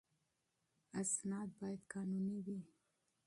اسناد باید قانوني وي.